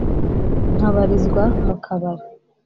nkabarizwa mu kabari